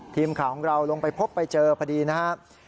ทีมข่าวของเราลงไปพบไปเจอพอดีนะครับ